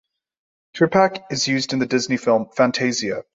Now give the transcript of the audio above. Trepak is used in the Disney film "Fantasia".